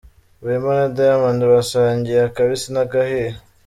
Wema na Diamond basangiye akabisi n'agahiye.